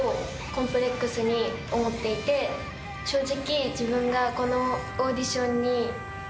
正直。